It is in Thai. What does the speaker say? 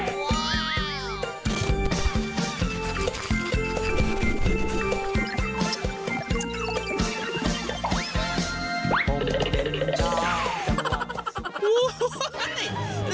ว้าว